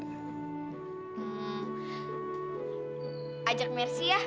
hmm ajak mercy ya